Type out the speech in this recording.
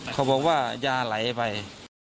เขาบอกว่ายาไหลไป